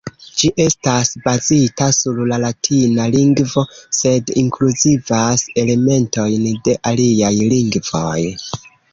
Ĝi estas bazita sur la latina lingvo, sed inkluzivas elementojn de aliaj lingvoj.